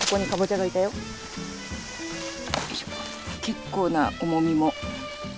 結構な重みも。